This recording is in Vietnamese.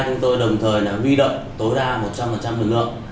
chúng tôi đồng thời đã vi động tối đa một trăm linh lực lượng